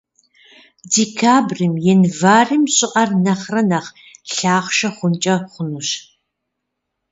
Декабрым — январым щӀыӀэр нэхърэ нэхъ лъахъшэ хъункӀэ хъунущ.